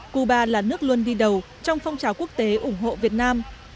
cuba là nước luôn đi đầu trong phong trào quốc tế ủng hộ việt nam